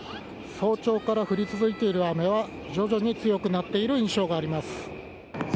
早朝から降り続いている雨は徐々に強くなっている印象があります。